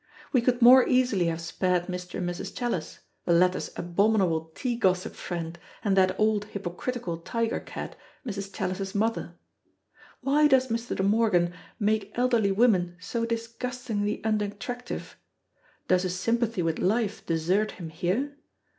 We could more easily have spared Mr. and Mrs. Challis, the latter's abominable tea gossip friend, and that old hypocritical tiger cat, Mrs. Challis's mother. Why does Mr. De Morgan make elderly women so disgustingly unattractive? Does his sympathy with life desert him here?